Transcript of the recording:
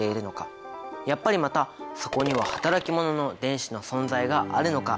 やっぱりまたそこには働き者の電子の存在があるのか？